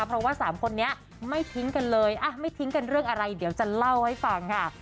เพราะว่าสามคนนี้ไม่ทิ้งกันเลยไม่ทิ้งกันเรื่องอะไรเดี๋ยวจะเล่าให้ฟังค่ะ